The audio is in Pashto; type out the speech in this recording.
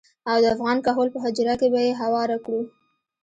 او د افغان کهول په حجره کې به يې هوار کړو.